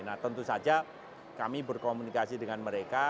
nah tentu saja kami berkomunikasi dengan mereka